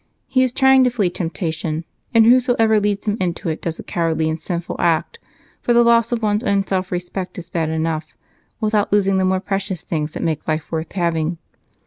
He is trying to flee temptation, and whoever leads him into it does a cowardly and sinful act, for the loss of one's own self respect is bad enough, without losing the more precious things that make life worth having.